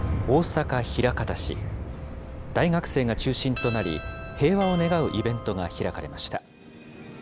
大学生が中心となり、平和を願うイベントが開かれました。